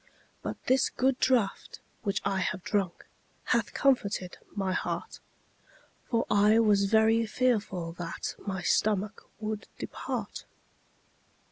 But this good draught which I have drunk Hath comforted my heart, For I was very fearful that My stomach would depart.